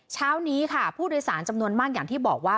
เช้านี้ค่ะผู้โดยสารจำนวนมากอย่างที่บอกว่า